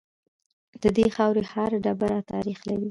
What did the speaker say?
د دې خاورې هر ډبره تاریخ لري